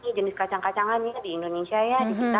banyak jenis kacang kacangan ini di indonesia ya